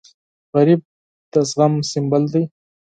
غریب د صبر سمبول دی